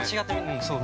◆そう。